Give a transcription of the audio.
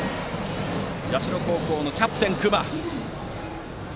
社高校のキャプテン、隈。